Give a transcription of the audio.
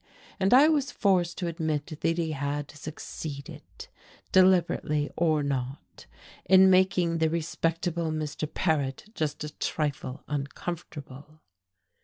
And I was forced to admit that he had succeeded deliberately or not in making the respectable Mr. Paret just a trifle uncomfortable.